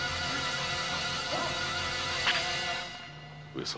上様。